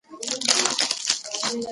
ایا انارګل به لښتې ته د خپل زړه خبره وکړي؟